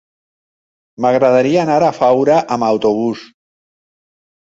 M'agradaria anar a Faura amb autobús.